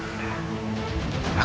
aku bersumpah ibu nda